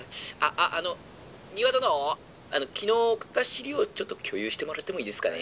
あっあの丹羽殿昨日送った資料ちょっと共有してもらってもいいですかね」。